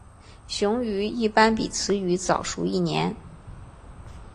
雄鱼一般比雌鱼早熟一年。